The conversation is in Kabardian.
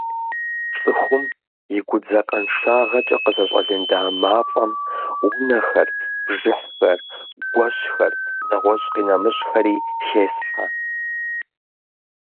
ЦӀыхум и гудзакъэншагъэкӀэ къызэщӀэлында мафӀэм унэхэр, бжыхьхэр, гуэщхэр нэгъуэщӏ къинэмыщӏхэри хесхьэ.